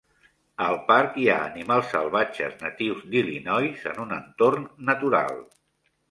El parc hi ha animals salvatges natius d'Illinois, en un entorn natural.